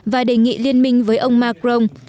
và đề nghị liên minh với ông macron